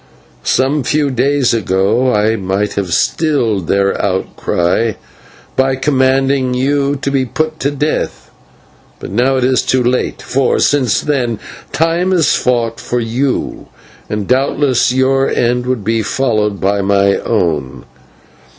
Some few days ago I might have stilled their outcry by commanding you to be put to death, but now it is too late, for, since then, Time has fought for you, and doubtless your end would be followed by my own.